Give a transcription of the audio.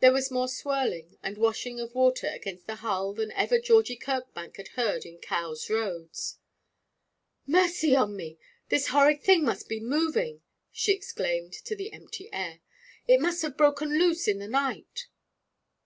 There was more swirling and washing of water against the hull than ever Georgie Kirkbank had heard in Cowes Roads. 'Mercy on me! this horrid thing must be moving,' she exclaimed to the empty air. 'It must have broken loose in the night.'